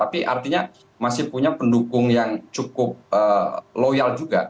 tapi artinya masih punya pendukung yang cukup loyal juga